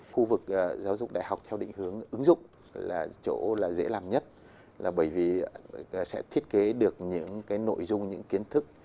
khu vực giáo dục đại học theo định hướng ứng dụng là chỗ dễ làm nhất là bởi vì sẽ thiết kế được những cái nội dung những kiến thức